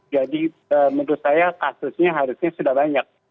jadi menurut saya kasusnya harusnya sudah banyak